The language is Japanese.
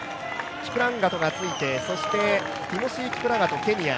キプランガトがついて、ティモシー・キプラガト、ケニア。